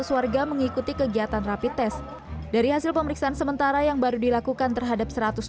warga mengikuti kegiatan rapi tes dari hasil pemeriksaan sementara yang baru dilakukan terhadap seratus